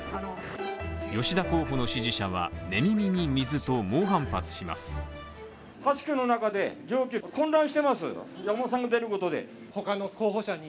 吉田候補の支持者は寝耳に水と猛反発します。